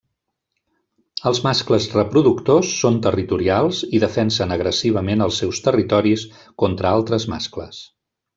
Els mascles reproductors són territorials i defensen agressivament els seus territoris contra altres mascles.